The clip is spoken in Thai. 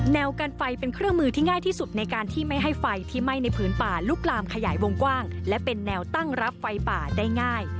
กันไฟเป็นเครื่องมือที่ง่ายที่สุดในการที่ไม่ให้ไฟที่ไหม้ในพื้นป่าลุกลามขยายวงกว้างและเป็นแนวตั้งรับไฟป่าได้ง่าย